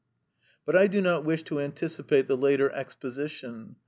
But I do not wish to anticipate the later exposition.